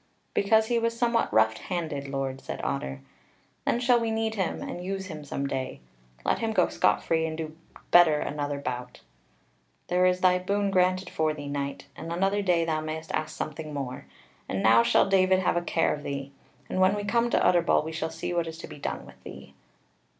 "Because he was somewhat rough handed, Lord," said Otter. "Then shall we need him and use him some day. Let him go scot free and do better another bout. There is thy boon granted for thee, knight; and another day thou mayst ask something more. And now shall David have a care of thee. And when we come to Utterbol we shall see what is to be done with thee."